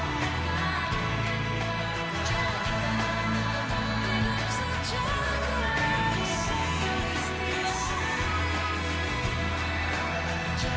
mewakili panglima angkatan bersenjata singapura